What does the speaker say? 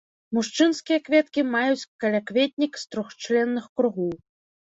Мужчынскія кветкі маюць каля-кветнік з трохчленных кругоў.